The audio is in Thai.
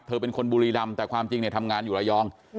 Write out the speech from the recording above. เป็นคนบุรีรำแต่ความจริงเนี่ยทำงานอยู่ระยอง